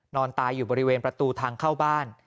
นอนตายอยู่บริเวณประตูทางเข้าบ้าน